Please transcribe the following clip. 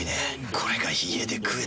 これが家で食えたなら。